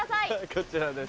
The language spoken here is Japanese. こちらです。